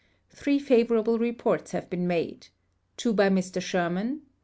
Three favorable reports have Ijeen made — two by iNlr Sherman, No.